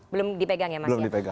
belum dipegang ya mas ya